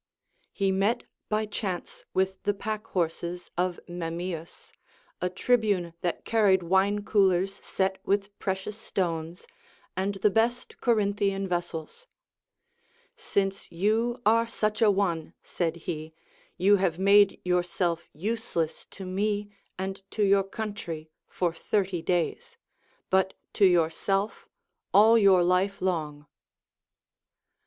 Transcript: He met by chance with the pack horses of Memmius, a tribune that carried wine coolers set with precious stones, and the best Corinthian vessels. Since you are such a one, said he, you have made yourself use less to me and to your country for thirty days, but to your self all your life long.